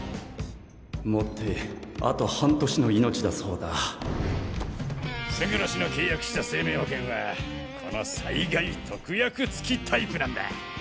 もってあと半年の命だそうだ勝呂氏の契約した生命保険はこの災害特約付きタイプなんだ。